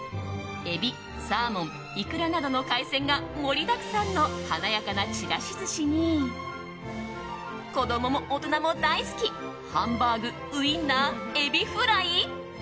エビ、サーモン、イクラなどの海鮮が盛りだくさんの華やかなちらし寿司に子供も大人も大好きハンバーグ、ウインナーエビフライ。